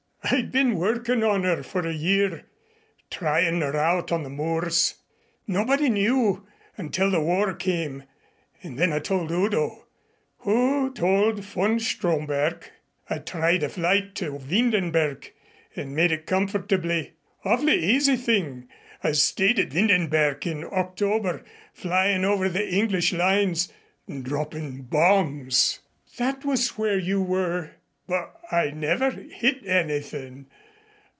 I'd been workin' on her for a year tryin' her out on the moors. Nobody knew until the war came and then I told Udo, who told von Stromberg. I tried a flight to Windenberg and made it comfortably. Awf'ly easy thing. I stayed at Windenberg in October, flyin' over the English lines, droppin' bombs." "That was where you were !" "But I never hit anythin'.